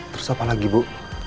terus apa lagi bu